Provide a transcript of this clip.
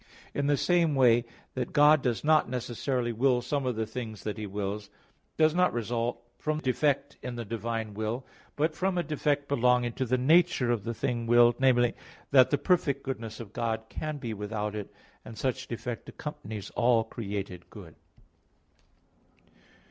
In the same way, that God does not necessarily will some of the things that He wills, does not result from defect in the divine will, but from a defect belonging to the nature of the thing willed, namely, that the perfect goodness of God can be without it; and such defect accompanies all created good.